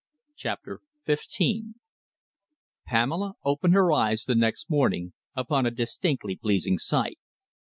CHAPTER XV Pamela opened her eyes the next morning upon a distinctly pleasing sight.